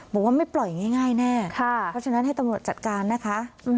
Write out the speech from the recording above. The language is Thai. บอกว่าไม่ปล่อยง่ายแน่เพราะฉะนั้นให้ตำรวจจัดการนะคะ